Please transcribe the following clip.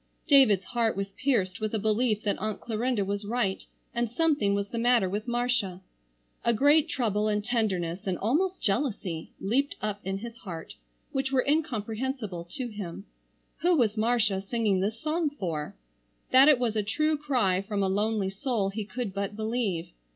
David's heart was pierced with a belief that Aunt Clarinda was right and something was the matter with Marcia. A great trouble and tenderness, and almost jealousy, leaped up in his heart which were incomprehensible to him. Who was Marcia singing this song for? That it was a true cry from a lonely soul he could but believe.